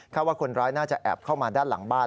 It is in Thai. ว่าคนร้ายน่าจะแอบเข้ามาด้านหลังบ้าน